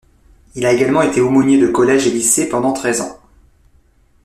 Il a également été aumônier de collèges et lycée pendant treize ans.